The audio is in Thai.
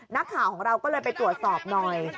นักข่าวของเราก็เลยไปตรวจสอบหน่อย